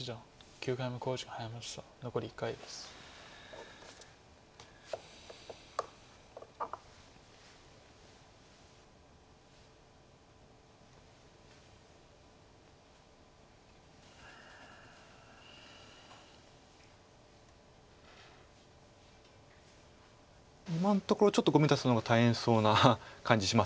今のところちょっとコミ出すのが大変そうな感じします。